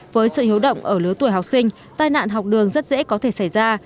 với sự hiếu động ở lứa tuổi học sinh tai nạn học đường rất dễ có thể xảy ra